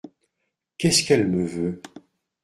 Qu’est-ce qu’elle me veut ?